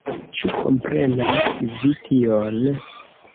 Ĉu komprenas vi tion?